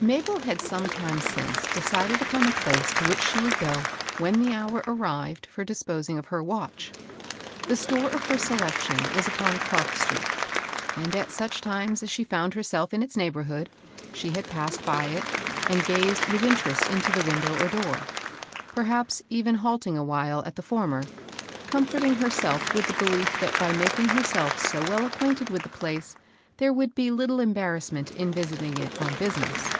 [ABEL had some time since decided upon the place to which she would go when the hour arrived for disposing of her watch. The store of her selection was upon Clark street; and, at such times as she found herself in its neighborhood, she had passed by it, and gazed with interest into the window or door, — perhaps even halting awhile at the formei'j comforting herself with the belief that by making herself so well acquainted with the place there would be little embarrassment in visiting it on business.